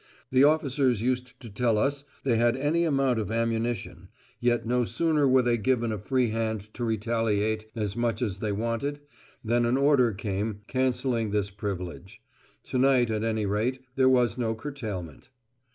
The officers used to tell us they had any amount of ammunition, yet no sooner were they given a free hand to retaliate as much as we wanted, than an order came cancelling this privilege. To night at any rate there was no curtailment.